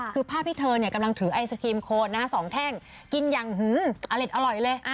คือภาพที่เธอกำลังถือไอศครีมโคน๒แท่งกินอย่างอเล็ดอร่อยเลย